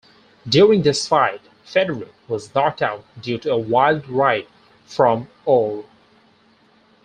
During this fight Fedoruk was knocked out due to a wild right from Orr.